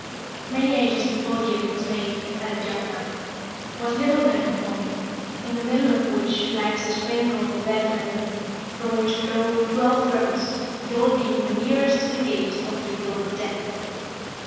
'" "Many ages before the earth was made," added Jafnhar, "was Niflheim formed, in the middle of which lies the spring called Hvergelmir, from which flow twelve rivers, Gjoll being the nearest to the gate of the abode of death."